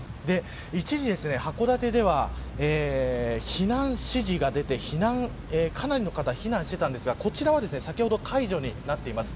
一時、函館では避難指示が出てかなりの方が避難していたんですがこちらは先ほど解除になっています。